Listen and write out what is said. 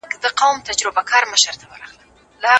خلګ به د افسانو پر ځای علمي څېړنو ته مخه کړي.